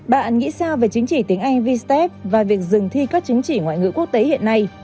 bạn nghĩ sao về chính trị tiếng anh vstep và việc dừng thi các chính trị ngoại ngữ quốc tế hiện nay